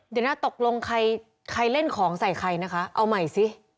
เดี๋ยวนะตกลงใครเล่นของใส่ใครนะคะเอาใหม่สิ